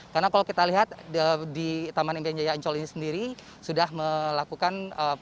karena kalau kita lihat di taman impian jaya ancol ini sendiri sudah melakukan